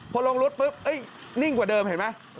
พอลงรถปุ๊บนิ่งกว่าเดิมเห็นไหม